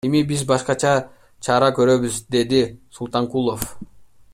Эми биз башкача чара көрөбүз, — деди Султанкулов.